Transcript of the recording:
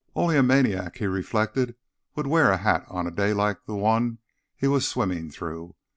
Only a maniac, he reflected, would wear a hat on a day like the one he was swimming through.